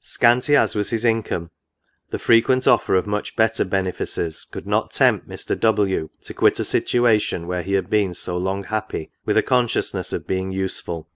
Scanty as was his in come, the frequent offer of much better benefices could not tempt Mr. W. to quit a situation where he had been so long happy, with a consciousness of being useful.